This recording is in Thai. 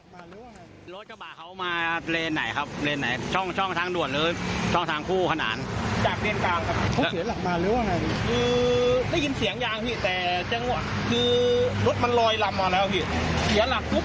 มันลอยลำมาแล้วพี่เสียหลักรถลอยลำแล้วไปกระโดดตรงนั้นพี่